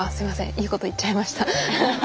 いいこと言っちゃいました。